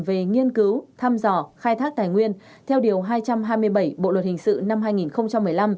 về nghiên cứu thăm dò khai thác tài nguyên theo điều hai trăm hai mươi bảy bộ luật hình sự năm hai nghìn một mươi năm